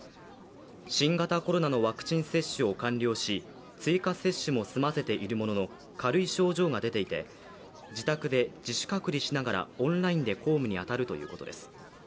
新型コロナのワクチン接種を完了し、追加接種も済ませているものの軽い症状が出ていて、自宅で自主隔離をしながらオンラインで公務に当たるということです。